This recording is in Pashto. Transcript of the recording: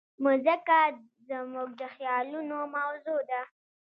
مځکه زموږ د خیالونو موضوع ده.